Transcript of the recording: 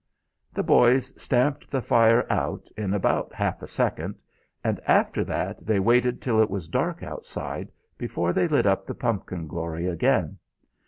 The boys stamped the fire out in about half a second; and after that they waited till it was dark outside before they lit up the pumpkin glory again.